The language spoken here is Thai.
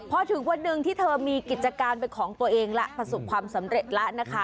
พอถึงวันหนึ่งที่เธอมีกิจการเป็นของตัวเองแล้วประสบความสำเร็จแล้วนะคะ